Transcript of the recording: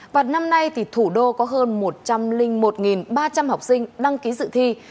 và năm nay thì thủ đô có hơn một trăm linh một ba trăm linh học sinh đăng ký dự thi